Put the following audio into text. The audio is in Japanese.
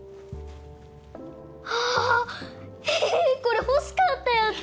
あえこれ欲しかったやつ！